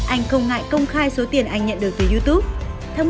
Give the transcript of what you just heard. anh không ngại công khai số tiền anh nhận được từ youtube